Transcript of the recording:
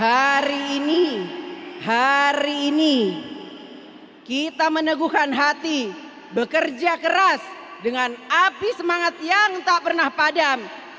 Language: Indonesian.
hari ini hari ini kita meneguhkan hati bekerja keras dengan api semangat yang tak pernah padam